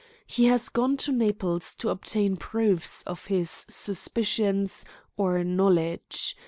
He has gone to Naples to obtain proofs of his suspicions, or knowledge.